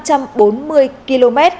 và khoảng năm trăm bốn mươi km